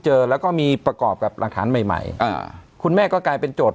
เจอแล้วก็มีประกอบกับหลักฐานใหม่ใหม่อ่าคุณแม่ก็กลายเป็นโจทย